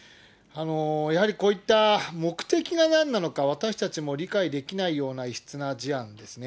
やはりこういった目的がなんなのか、私たちも理解できないような、異質な事案ですね。